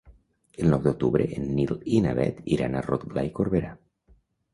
El nou d'octubre en Nil i na Bet iran a Rotglà i Corberà.